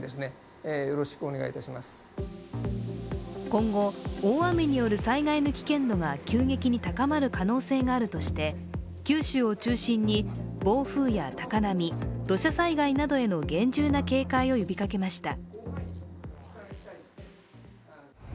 今後、大雨による災害の危険度が急激に高まる可能性があるとして九州を中心に暴風や高波、土砂災害などへの厳重な警戒を呼びかけました。